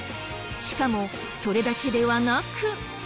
しかもそれだけではなく。